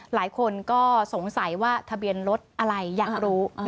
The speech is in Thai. หลายคนก็สงสัยว่าทะเบียนรถอะไรอยากรู้